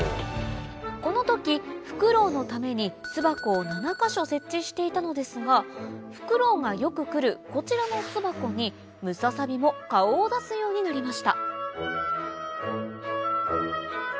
この時フクロウのために巣箱を７か所設置していたのですがフクロウがよく来るこちらの巣箱にムササビも顔を出すようになりました